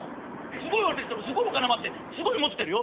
すごい売れてすごいお金もあってすごいモテてるよ。